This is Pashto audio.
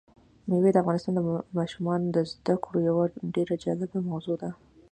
مېوې د افغان ماشومانو د زده کړې یوه ډېره جالبه موضوع ده.